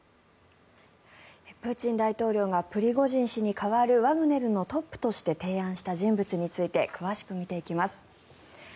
プーチン大統領がプリゴジン氏に代わるワグネルのトップとして提案した人物について詳しく見ていきます。